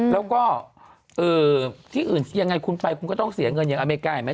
แล้วก็ที่อื่นยังไงคุณไปคุณก็ต้องเสียเงินอย่างอเมริกาเห็นไหม